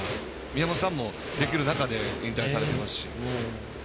宮本さんもできる中で引退されてますし。